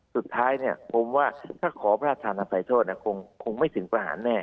สุดท้ายเนี่ยผมว่าถ้าขอพระราชทานอภัยโทษคงไม่ถึงประหารแน่